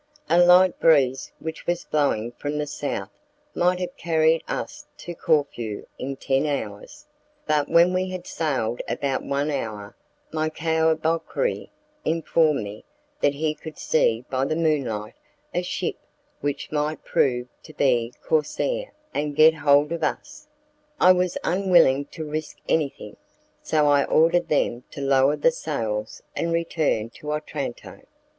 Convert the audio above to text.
A light breeze which was blowing from the south might have carried us to Corfu in ten hours, but when we had sailed about one hour my cayabouchiri informed me that he could see by the moonlight a ship which might prove to be a corsair, and get hold of us. I was unwilling to risk anything, so I ordered them to lower the sails and return to Otranto.